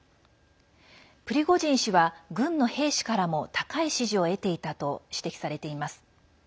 プリゴジン氏は、軍の兵士からも高い支持を得ていたと指摘されています。